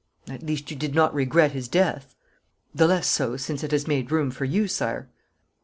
'At least, you did not regret his death.' 'The less so, since it has made room for you, Sire.'